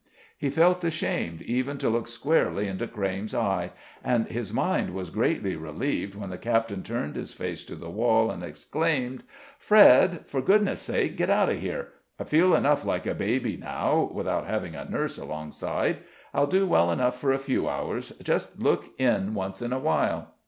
He felt ashamed even to look squarely into Crayme's eye, and his mind was greatly relieved when the captain turned his face to the wall and exclaimed: "Fred, for goodness' sake get out of here; I feel enough like a baby now, without having a nurse alongside. I'll do well enough for a few hours; just look in once in a while."